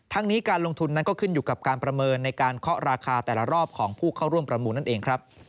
นี้การลงทุนนั้นก็ขึ้นอยู่กับการประเมินในการเคาะราคาแต่ละรอบของผู้เข้าร่วมประมูลนั่นเองครับ